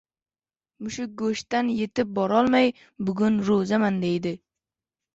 • Mushuk go‘shtgacha yetib borolmay, “bugun ro‘zaman” deydi.